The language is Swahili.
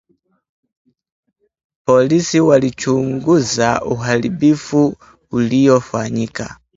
Polisi walichunguza uharibifu uliofanyika